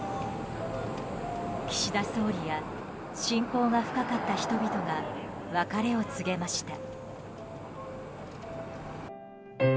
岸田総理や親交が深かった人々が別れを告げました。